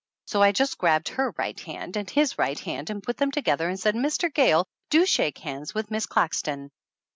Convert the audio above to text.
So I just grabbed her right hand and his right hand and put them together and said, "Mr. Gayle, do shake hands with Miss Claxton!"